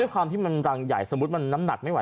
ความที่มันรังใหญ่สมมุติมันน้ำหนักไม่ไ